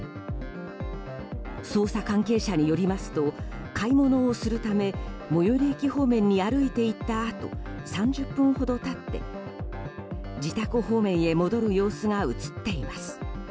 捜査関係者によりますと買い物をするため最寄り駅方面に歩いていったあと３０分ほど経って、自宅方面へ戻る様子が映っています。